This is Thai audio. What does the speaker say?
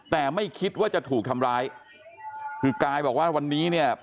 แต่ไม่คิดว่าจะถูกทำร้ายคือกายบอกว่าวันนี้เนี่ย